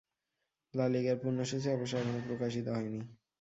লা লিগার পূর্ণ সূচি অবশ্য এখনো প্রকাশিত হয়নি।